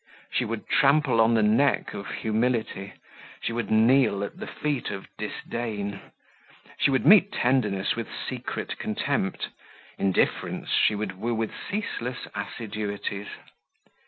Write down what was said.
She would trample on the neck of humility, she would kneel at the feet of disdain; she would meet tenderness with secret contempt, indifference she would woo with ceaseless assiduities.